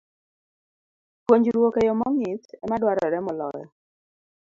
Puonjruok e yo mong'ith ema dwarore moloyo